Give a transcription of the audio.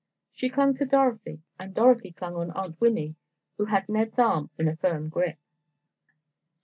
She clung to Dorothy and Dorothy hung on Aunt Winnie, who had Ned's arm in a firm grip.